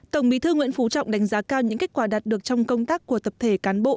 tổng bí thư nguyễn phú trọng đánh giá cao những kết quả đạt được trong công tác của tập thể cán bộ